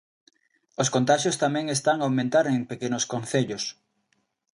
Os contaxios tamén están a aumentar en pequenos concellos.